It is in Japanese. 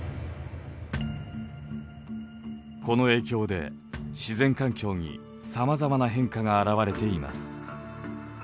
この影響で自然環境にさまざまな変化が表れています。